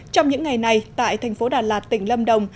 trong những ngày này tại thành phố đà lạt tỉnh lâm đồng